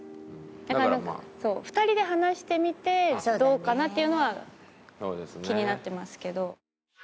だからなんか２人で話してみてどうかな？っていうのは気になってますけど。